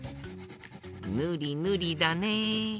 ぬりぬりだね。